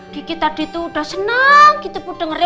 kiki tadi itu udah senang gitu pun dengernya